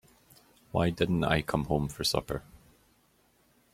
Why didn't I come home for supper?